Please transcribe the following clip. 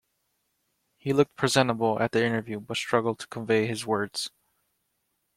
He looked presentable at the interview but struggled to convey his words.